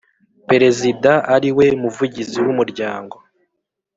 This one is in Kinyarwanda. Perezida ariwe Muvugizi w Umuryango